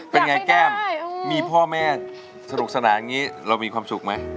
เป็นไงแก้มมีพ่อแม่สนุกสนานอย่างนี้เรามีความสุขไหม